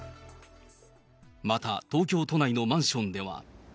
また東京都内のマンションでは。